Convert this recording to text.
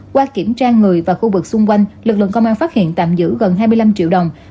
qua kiểm tra người và khu vực xung quanh lực lượng công an phát hiện tạm giữ gần hai mươi năm triệu đồng